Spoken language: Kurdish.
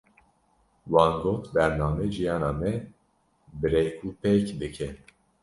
Wan got, bername jiyana me bi rêk û pêk dike.